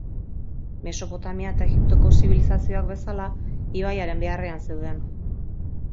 Mesopotamia eta Egiptoko zibilizazioak bezala, ibaiaren beharrean zeuden.